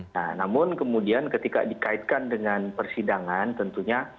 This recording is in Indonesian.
nah namun kemudian ketika dikaitkan dengan persidangan tentunya